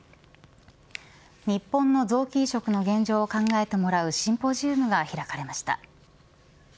日本の臓器移植の現状を考えてもらうシンポジウムが開かれました。